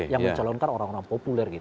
yang mencalonkan orang orang populer